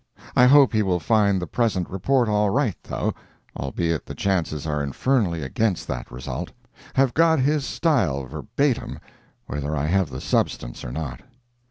I hope he will find the present report all right, though (albeit the chances are infernally against that result)I have got his style verbatim, whether I have the substance or not.